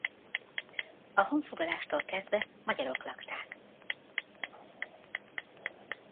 A honfoglalástól kezdve magyarok lakták.